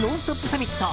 サミット。